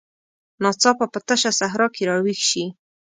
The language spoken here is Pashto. ناڅاپه په تشه صحرا کې راویښ شي.